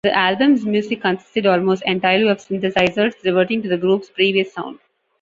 The album's music consisted almost entirely of synthesizers, reverting to the group's previous sound.